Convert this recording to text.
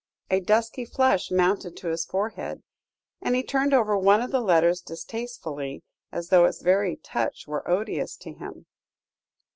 A dusky flush mounted to his forehead, and he turned over one of the letters distastefully, as though its very touch were odious to him.